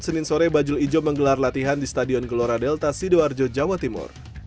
senin sore bajul ijo menggelar latihan di stadion gelora delta sidoarjo jawa timur